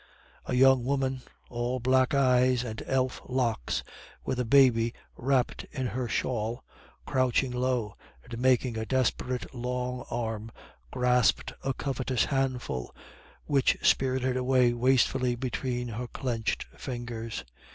A young woman, all black eyes and elf locks, with a baby wrapped in her shawl, crouching low and making a desperate long arm, grasped a covetous handful, which spirted away wastefully between her clenched fingers.